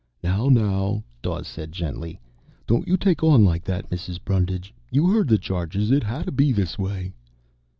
"Now, now," Dawes said gently. "Don't you take on like that, Mrs. Brundage. You heard the charges. It hadda be this way."